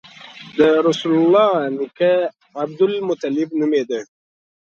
د رسول الله نیکه عبدالمطلب نومېده.